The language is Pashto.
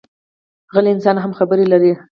غلی انسان هم خبرې لري